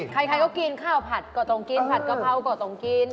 ใครก็กินข้าวผัดก็ต้องกินผัดกะเพราก็ต้องกิน